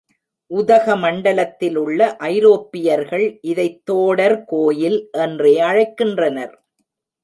உதகமண்டலத்திலுள்ள ஐரோப்பியர்கள் இதைத் தோடர் கோயில் என்றே அழைக்கின்றனர்.